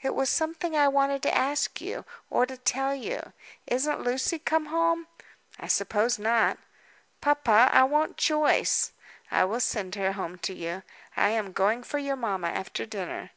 "It was something I wanted to ask you, or to tell you. Isn't Lucy come home?" "I suppose not." "Papa, I want Joyce." "I will send her home to you. I am going for your mamma after dinner."